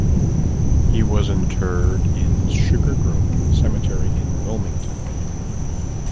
He was interred in Sugar Grove Cemetery in Wilmington